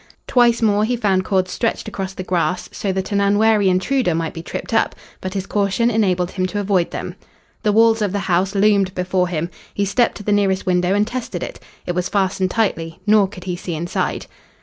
Twice more he found cords stretched across the grass, so that an unwary intruder might be tripped up, but his caution enabled him to avoid them. The walls of the house loomed before him. He stepped to the nearest window and tested it. It was fastened tightly, nor could he see inside.